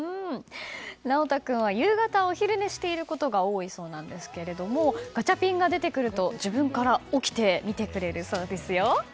直太君は夕方お昼寝していることが多いそうなんですがガチャピンが出てくると自分から起きて見てくれるそうですよ。